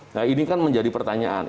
nah ini kan menjadi pertanyaan